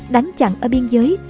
đánh chặn ở biên giới